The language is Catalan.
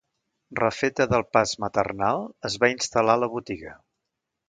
Refeta del pas maternal, es va instal·lar a la botiga